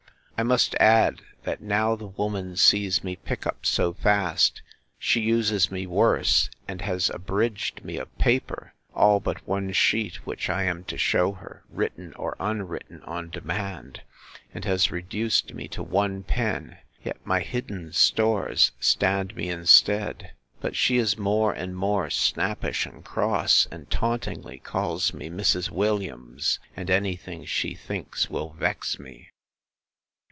I must add, that now the woman sees me pick up so fast, she uses me worse, and has abridged me of paper, all but one sheet, which I am to shew her, written or unwritten, on demand: and has reduced me to one pen: yet my hidden stores stand me in stead. But she is more and more snappish and cross; and tauntingly calls me Mrs. Williams, and any thing she thinks will vex me.